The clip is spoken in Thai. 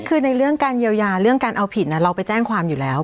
คือในเรื่องการเยียวยาเรื่องการเอาผิดเราไปแจ้งความอยู่แล้ว